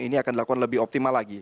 ini akan dilakukan lebih optimal lagi